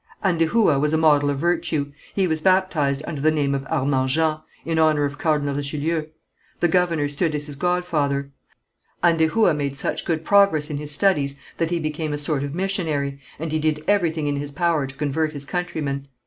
Andehoua was a model of virtue. He was baptized under the name of Armand Jean, in honour of Cardinal Richelieu. The governor stood as his godfather. Andehoua made such good progress in his studies that he became a sort of missionary, and he did everything in his power to convert his countrymen.